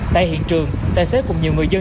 tại hiện trường tài xế cùng nhiều người dân